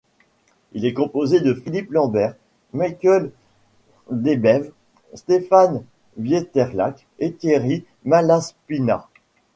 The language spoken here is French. Il est composé de Philippe Lambert, Mickaël Debève, Stéphane Wiertelak et Thierry Malaspina.